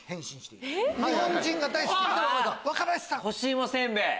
若林さん。